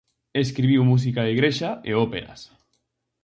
Escribiu música de igrexa e óperas.